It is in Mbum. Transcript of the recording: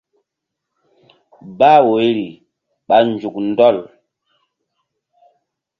Bah woyri ɓa nzuk ɗɔl.